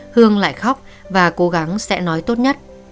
hương lại khóc và cố gắng sẽ nói tốt nhất